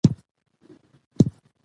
افغانستان په وګړي باندې تکیه لري.